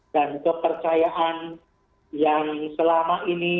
kepercayaan yang selama ini